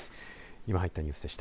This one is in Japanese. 今入ったニュースでした。